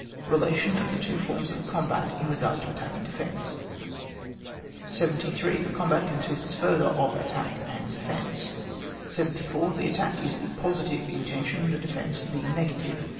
Relation of the two forms of combat in re gard to attack and defence. 78. The combat consists, further, of attack and defence. 74. The attack is the positive intention, the defence the negative.